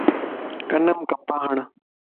ڪنم ڪپاھڻ